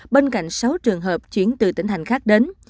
bên cạnh sáu trường hợp chuyển từ tỉnh hành khác đến